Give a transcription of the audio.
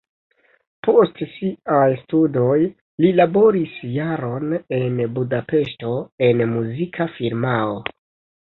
Post siaj studoj li laboris jaron en Budapeŝto en muzika firmao.